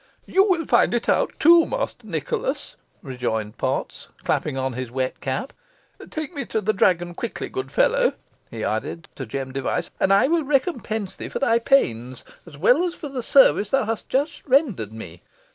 "You will find it out too, Master Nicholas," rejoined Potts, clapping on his wet cap. "Take me to the Dragon quickly, good fellow," he added, to Jem Device, "and I will recompense thee for thy pains, as well as for the service thou hast just rendered me.